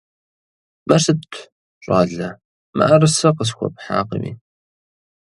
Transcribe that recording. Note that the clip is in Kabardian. Мыр сыт, щӀалэ, мыӀэрысэ къысхуэпхьакъыми?